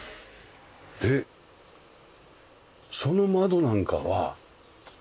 でその窓なんかは？